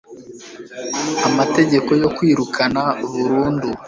amategeko yo kwirukana burundu